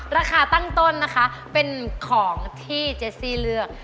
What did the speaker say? ตั้งต้นนะคะเป็นของที่เจสซี่เลือก